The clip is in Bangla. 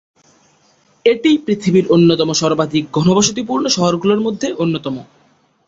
এটি পৃথিবীর অন্যতম সর্বাধিক ঘনবসতিপূর্ণ শহরগুলোর মধ্যে অন্যতম।